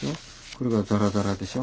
これがザラザラでしょ。